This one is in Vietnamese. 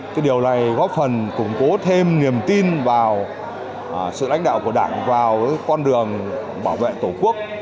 cái điều này góp phần củng cố thêm niềm tin vào sự lãnh đạo của đảng vào con đường bảo vệ tổ quốc